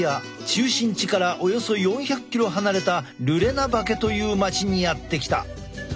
中心地からおよそ４００ｋｍ離れたルレナバケという町にやって来た。